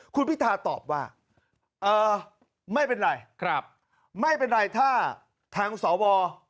คุณพิธาตอบว่าไม่เป็นไรไม่เป็นไรถ้าทางสว